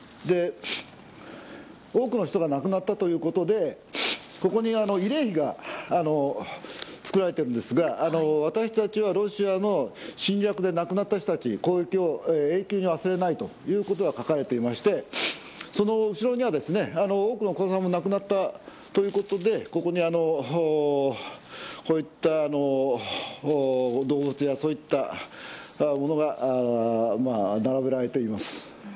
多くの人が亡くなったということでここに慰霊碑が作られているんですが私たちはロシアの侵略で亡くなった人たち攻撃を永久に忘れないということが書かれていましてその後ろには多くのお子さんも亡くなったということでこういった動物やそういったものが並べられています。